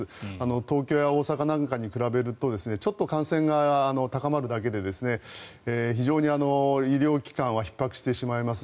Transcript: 東京や大阪なんかに比べるとちょっと感染が高まるだけで非常に医療機関はひっ迫してしまいます。